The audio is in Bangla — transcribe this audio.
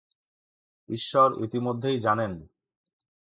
ঈশ্বর ইতিমধ্যেই জানেন।